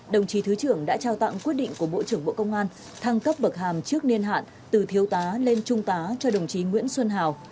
đồng chí thứ trưởng đã trao tặng quyết định của bộ trưởng bộ công an thăng cấp bậc hàm trước niên hạn từ thiếu tá lên trung tá cho đồng chí nguyễn xuân hào